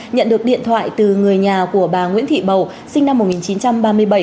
nhận được điện thoại từ người nhà của bà nguyễn thị bầu sinh năm một nghìn chín trăm ba mươi bảy